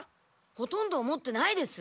ほとんど思ってないです。